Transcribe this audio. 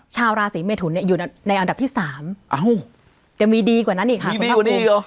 ชาวราศรีเมทุนเนี่ยอยู่ในอันดับที่สามอ้าวจะมีดีกว่านั้นอีกค่ะมีดีกว่านี้หรอ